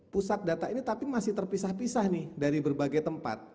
pusat data ini tapi masih terpisah pisah nih dari berbagai tempat